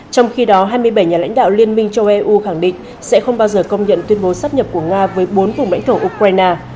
trong khi đó hai mươi bảy nhà lãnh đạo liên minh châu âu khẳng định sẽ không bao giờ công nhận tuyên bố sắp nhập của nga với bốn vùng lãnh thổ ukraine